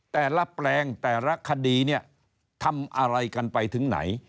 แต่ละแปลงแต่ละคดีเนี่ยทำอะไรกันไปถึงไหน